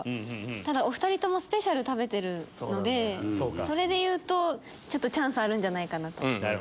ただお２人ともスペシャルメニュー食べてるのでそれでいうとチャンスあるんじゃないかなと。